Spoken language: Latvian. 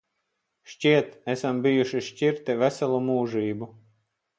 Šķiet, esam bijuši šķirti veselu mūžību.